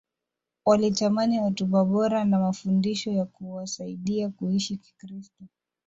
walitamani hotuba bora na mafundisho ya kuwasaidia kuishi Kikristo